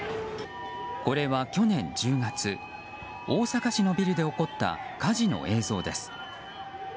これは去年１０月大阪市のビルで起こった火事の映像です。